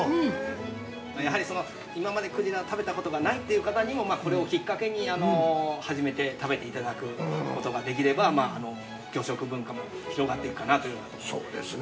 ◆やはり今までくじらを食べたことがないという方にも、これをきっかけに始めて、食べていただくことができれば、魚食文化も広がっていくかなというようなことで開発されていますね。